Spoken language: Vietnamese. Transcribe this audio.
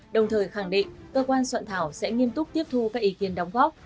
đồng thời khẳng định cơ quan soạn thảo sẽ nghiêm túc tiếp thu các ý kiến đóng góp